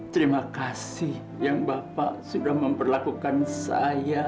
terima kasih yang bapak sudah memperlakukan saya